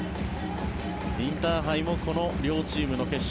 インターハイもこの両チームの決勝。